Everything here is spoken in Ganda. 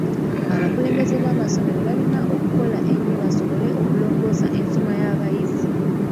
Abakulembeze b'amasomero balina okukola ennyo basobole okulongoosa ensoma y'abayizi.